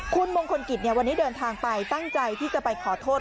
คุณมงคลกิจวันนี้เดินทางไปตั้งใจที่จะไปขอโทษ